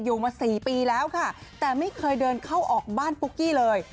อยู่มา๔ปีแล้วค่ะแต่ไม่เคยเดินเข้าออกบ้านปุ๊กกี้เลย